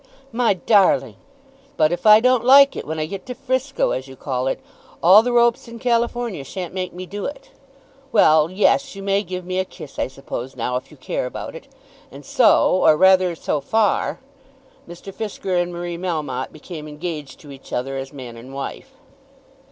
"My darling!" "But if I don't like it when I get to Frisco, as you call it, all the ropes in California shan't make me do it. Well; yes; you may give me a kiss I suppose now if you care about it." And so, or rather so far, Mr. Fisker and Marie Melmotte became engaged to each other as man and wife.